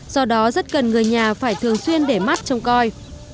do đó rất cần người nhà phải thường xuyên để mắt trông coi